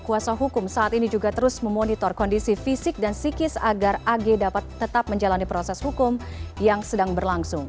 kuasa hukum saat ini juga terus memonitor kondisi fisik dan psikis agar ag dapat tetap menjalani proses hukum yang sedang berlangsung